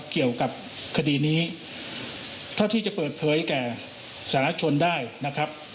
เกี่ยวกับคดีนี้เท่าที่จะเปิดเผยแก่สาธารณชนได้นะครับ